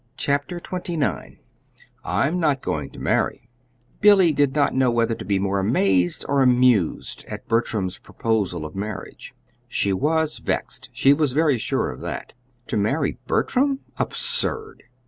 CHAPTER XXIX "I'M NOT GOING TO MARRY" Billy did not know whether to be more amazed or amused at Bertram's proposal of marriage. She was vexed; she was very sure of that. To marry Bertram? Absurd!...